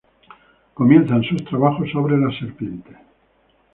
Comienzan sus trabajos sobre las serpientes.